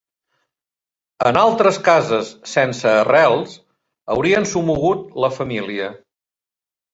En altres cases sense arrels haurien somogut la família